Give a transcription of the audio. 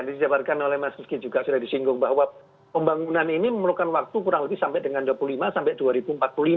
tadi dijabarkan oleh mas rifki juga sudah disinggung bahwa pembangunan ini memerlukan waktu kurang lebih sampai dengan dua puluh lima sampai dua ribu empat puluh lima